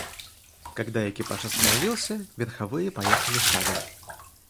Когда экипаж остановился, верховые поехали шагом.